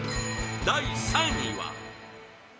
第３位は